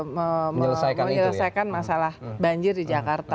menyelesaikan masalah banjir di jakarta